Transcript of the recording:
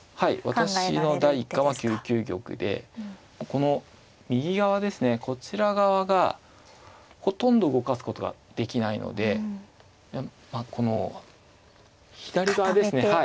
私の第一感は９九玉でこの右側ですねこちら側がほとんど動かすことができないのでこの左側ですね